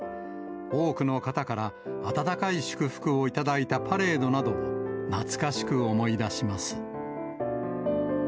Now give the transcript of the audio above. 多くの方から温かい祝福を頂いたパレードなどを懐かしく思い出します。